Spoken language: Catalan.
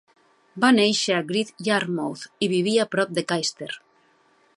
Va néixer a Great Yarmouth; i vivia prop de Caister.